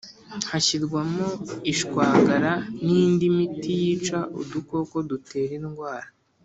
hashyirwamo ishwagara n’indi miti yica udukoko dutera indwara